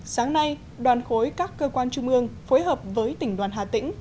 sáng nay đoàn khối các cơ quan trung ương phối hợp với tỉnh đoàn hà tĩnh